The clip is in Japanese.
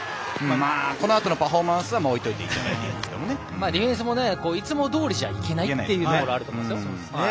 このパフォーマンスを置いておいディフェンスもいつもどおりじゃいけないというのがあると思います。